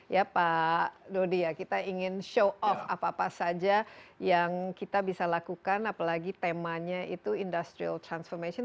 ya pak dodi ya kita ingin show off apa apa saja yang kita bisa lakukan apalagi temanya itu industrial transformation